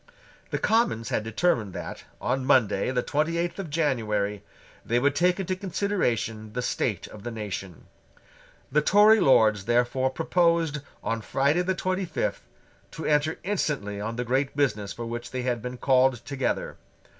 The Commons had determined that, on Monday the twenty eighth of January, they would take into consideration the state of the nation. The Tory Lords therefore proposed, on Friday the twenty fifth, to enter instantly on the great business for which they had been called together.